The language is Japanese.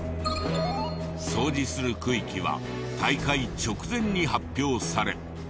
掃除する区域は大会直前に発表される。